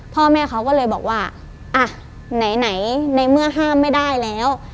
พ่อแม่เขาก็เลยบอกว่าอ่ะไหนในเมื่อห้ามไม่ได้แล้ว